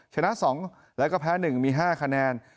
ชนะ๒แล้วก็แพ้๑มี๕คะแนน